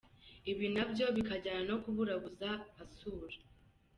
Ibi na byo bikajyana no kuburabuza asura !